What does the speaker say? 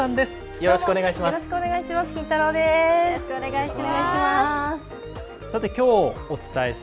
よろしくお願いします。